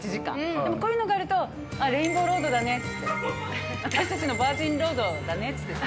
でもこういうのがあると、ああ、レインボーロードだねって、私たちのバージンロードだねって言ってさ。